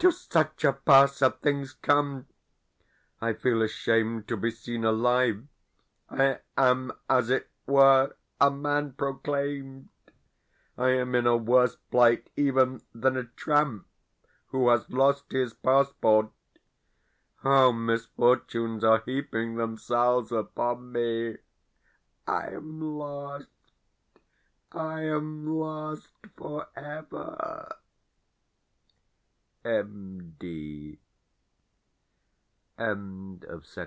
To such a pass have things come! I feel ashamed to be seen alive. I am, as it were, a man proclaimed; I am in a worse plight even than a tramp who has lost his passport. How misfortunes are heaping themselves upon me! I am lost I am lost for ever! M.